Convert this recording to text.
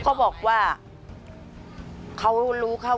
ทำไมเราต้องเป็นแบบเสียเงินอะไรขนาดนี้เวรกรรมอะไรนักหนา